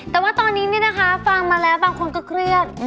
แต่ว่าตอนนี้ฟังมาแล้วบางคนก็เครียด